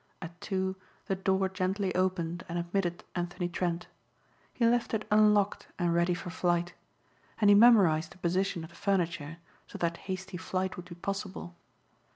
At two the door gently opened and admitted Anthony Trent. He left it unlocked and ready for flight. And he memorized the position of the furniture so that hasty flight would be possible.